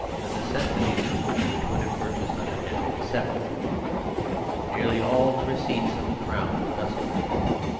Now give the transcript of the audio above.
the necessities which i would have pur chased under Henry VIII. Nearly all the receipts of the Crown were customary.